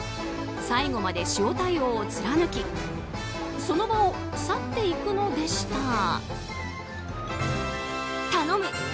最後まで塩対応を貫きその場を去っていくのでした。